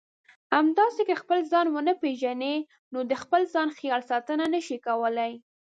همداسې که خپل ځان ونه پېژنئ نو د خپل ځان خیال ساتنه نشئ کولای.